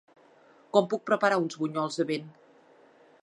Com puc preparar uns bunyols de vent?